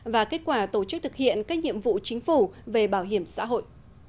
và kết quả tổ chức thực hiện các nhiệm vụ chính phủ về bảo hiểm xã hội